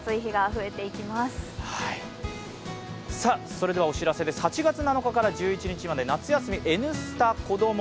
それではお知らせです、８月７日から１１日まで夏休み「Ｎスタ」子ども